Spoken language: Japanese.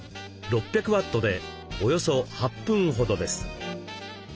６００ワットでおよそ８分ほどです。